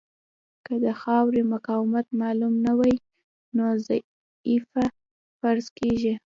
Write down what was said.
که د خاورې مقاومت معلوم نه وي نو ضعیفه فرض کیږي